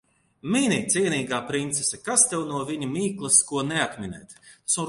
Mini, cienīgā princese. Kas tev no viņa mīklas ko neatminēt.